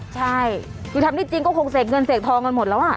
ใช่คือทำได้จริงก็คงเสกเงินเสกทองกันหมดแล้วอ่ะ